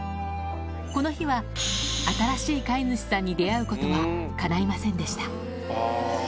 この日は、新しい飼い主さんに出会うことはかないませんでした。